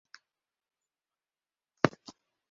Йәғәфәрова үҙе ошоларҙы уйлай, үҙе һаман Яубаҫа